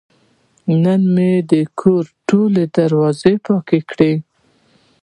نن مې د کور ټوله دروازه پاکه کړه.